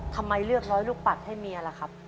ทำไมเลือกร้อยลูกปัดให้เมียล่ะครับ